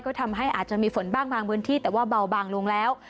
ก็ทำให้อาจจะมีฝนบ้างบางพื้นที่แต่ว่าเบาบางลงแล้ว